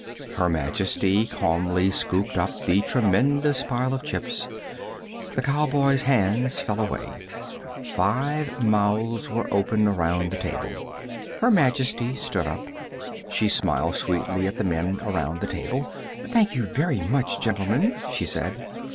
Her Majesty calmly scooped up the tremendous pile of chips. The cowboy's hands fell away. Five mouths were open around the table. Her Majesty stood up. She smiled sweetly at the men around the table. "Thank you very much, gentlemen," she said.